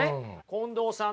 近藤さん